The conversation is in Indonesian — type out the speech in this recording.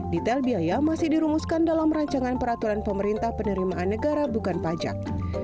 detail biaya masih dirumuskan dalam rancangan peraturan pemerintah penerimaan negara bukan pajak